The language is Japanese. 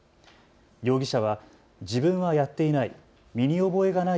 容疑者は自分はやっていない。